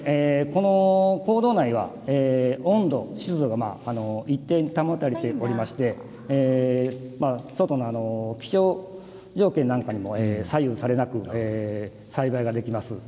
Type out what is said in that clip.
この坑道内は温度、湿度が一定に保たれていまして外の気象条件なんかにも左右されなくて栽培ができます。